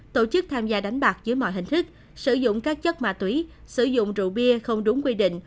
tổ chức tham gia đánh bạc dưới mọi hình thức sử dụng các chất ma túy sử dụng rượu bia không đúng quy định